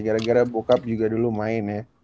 gara gara buka juga dulu main ya